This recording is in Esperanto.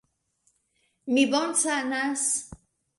Mi bonsanas!